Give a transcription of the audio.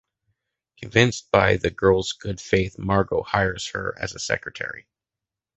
Convinced by the girl’s good faith, Margo hires her as a secretary.